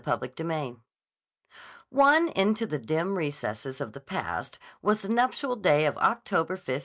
CHAPTER XI ONE into the dim recesses of the past was the nuptial day of October 15.